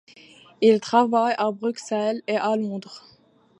Il travaille à Bruxelles et à Londres.